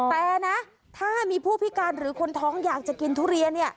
แต่นะถ้ามีผู้พิการหรือคนท้องอยากจะกินทุเรียน